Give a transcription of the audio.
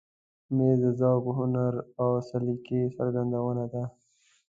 مېز د ذوق، هنر او سلیقې څرګندونه ده.